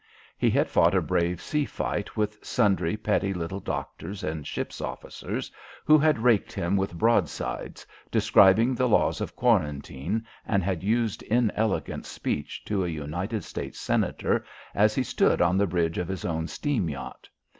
He had fought a brave sea fight with sundry petty little doctors and ship's officers who had raked him with broadsides, describing the laws of quarantine and had used inelegant speech to a United States Senator as he stood on the bridge of his own steam yacht.